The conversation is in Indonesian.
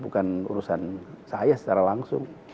bukan urusan saya secara langsung